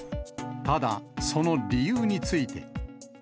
ただ、その理由について。